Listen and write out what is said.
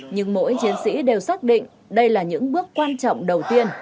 nhưng mỗi chiến sĩ đều xác định đây là những bước quan trọng đầu tiên